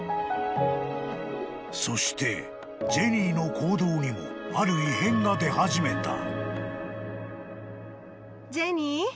［そしてジェニーの行動にもある異変が出始めた］